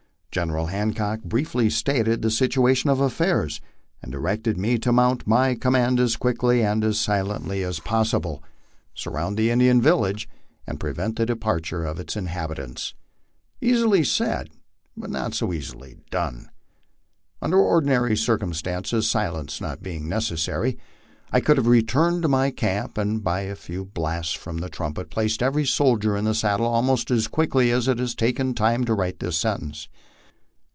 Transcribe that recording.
General Hancock briefly stated the situation of affairs, antj directed me to mount my command as quickly and as silently as possible, sur 28 MY LIFE ON THE PLAINS. round the Indian village, and prevent the departure of its inhabitants. Easily said, but not so easily done. Under ordinary circumstances, silence not being necessary, I could have returned to my camp, and by a few blasts from the trumpet placed every soldier in his saddle almost as quickly as it has taken time to write this sentence.